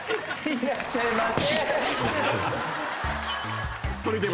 いらっしゃいませ。